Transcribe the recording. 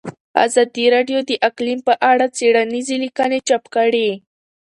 ازادي راډیو د اقلیم په اړه څېړنیزې لیکنې چاپ کړي.